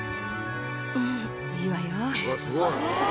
いいわよ。